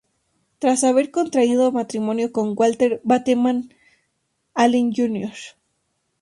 Tras haber contraído matrimonio con Walter Bateman Allen Jr.